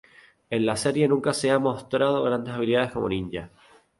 En la serie nunca ha mostrado grandes habilidades como ninja.